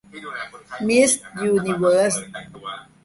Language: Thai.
มิสยูนิเวิร์ส